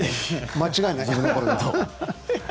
間違いない。